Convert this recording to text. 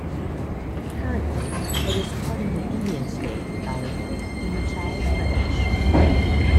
Currently, it is part of the Indian state of Himachal Pradesh.